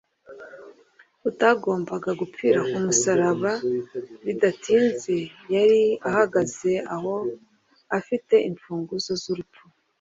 Utagombaga gupfira ku musaraba bidatinze yari ahagaze aho afite imfunguzo z'urupfu,